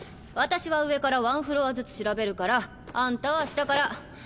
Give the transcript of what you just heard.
私は上から１フロアずつ調べるからあんたは下から。